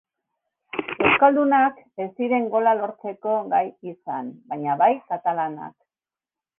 Euskaldunak ez ziren gola lortzeko gai izan, baina bai katalanak.